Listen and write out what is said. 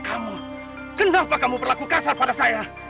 kamu tidak boleh meninggalkan saya